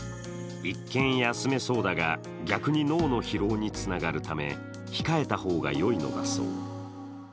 一見休めそうだが逆に脳の疲労につながるため、控えた方がよいのだそう。